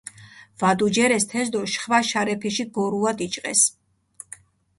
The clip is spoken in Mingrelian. ვადუჯერეს თეს დო შხვა შარეფიში გორუა დიჭყეს.